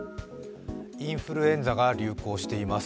インフルエンザが流行しています。